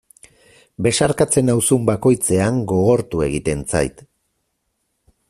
Besarkatzen nauzun bakoitzean gogortu egiten zait.